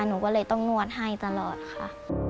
หนูก็เลยต้องนวดให้ตลอดค่ะ